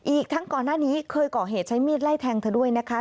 อีกทั้งก่อนหน้านี้เคยก่อเหตุใช้มีดไล่แทงเธอด้วยนะคะ